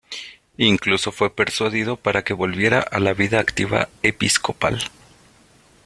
Incluso fue persuadido para que volviera a la vida activa episcopal.